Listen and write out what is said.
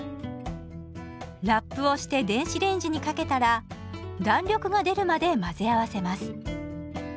ラップをして電子レンジにかけたら弾力が出るまで混ぜ合わせます。